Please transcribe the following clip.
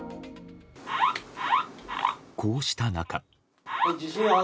こうした中。